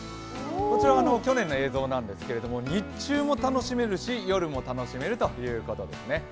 こちらは去年の映像なんですけれども、日中も楽しめるし夜も楽しめるということですね。